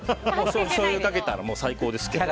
しょうゆかけたらもう最高ですけどね。